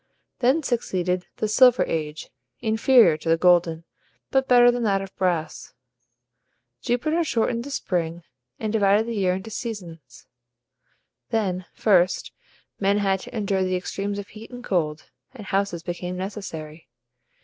Then succeeded the Silver Age, inferior to the golden, but better than that of brass. Jupiter shortened the spring, and divided the year into seasons. Then, first, men had to endure the extremes of heat and cold, and houses became necessary.